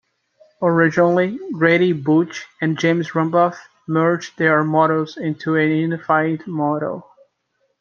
Originally, Grady Booch and James Rumbaugh merged their models into a unified model.